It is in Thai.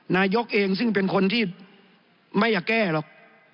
นายกเองซึ่งเป็นคนที่ไม่อยากแก้หรอก